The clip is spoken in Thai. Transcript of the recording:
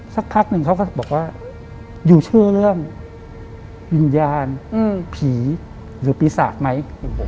สักพักหนึ่งเขาก็บอกว่ายูเชื่อเรื่องวิญญาณผีหรือปีศาจไหม